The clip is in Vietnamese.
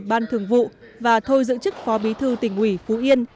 ban thường vụ và thôi giữ chức phó bí thư tỉnh ủy phú yên